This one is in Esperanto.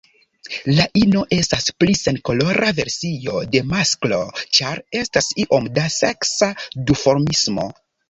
La ino estas pli senkolora versio de masklo, ĉar estas iom da seksa duformismo.